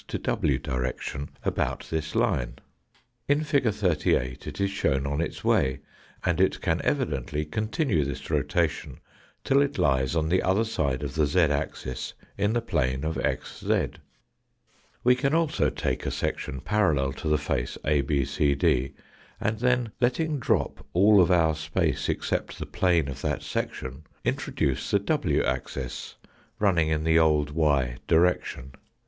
to w direction about this line. In fig. 38 it is shown on its way, and it can evidently continue this rotation till A * it lies on the other side of the z axis in the plane of xz. We can also take a section parallel to the face ABCD, and then letting drop all of our space except the plane of that section, introduce the w axis, running in the old y direction.